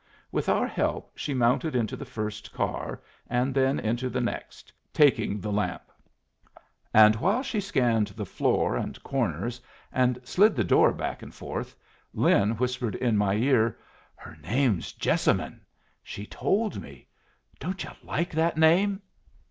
With our help she mounted into the first car, and then into the next, taking the lamp. And while she scanned the floor and corners, and slid the door back and forth, Lin whispered in my ear: "Her name's Jessamine. She told me. Don't yu' like that name?"